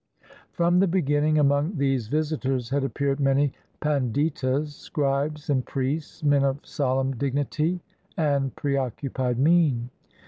From the beginning, among these visitors had ap peared many panditas, scribes and priests, men of solemn dignity and preoccupied mien.